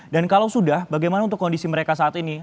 dan kalau sudah bagaimana untuk kondisi mereka saat ini